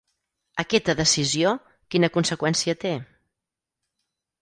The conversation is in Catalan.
Aquesta decisió, quina conseqüència té?